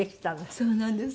そうなんです。